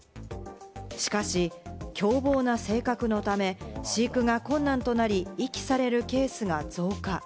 しかし、凶暴な性格のため飼育は困難となり、遺棄されるケースが増加。